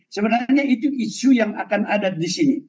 sebenarnya itu isu yang akan ada di sini